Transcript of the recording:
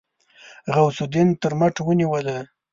غوث الدين تر مټ ونيوله.